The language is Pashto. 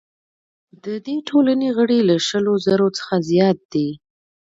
د دې ټولنې غړي له شلو زرو څخه زیات دي.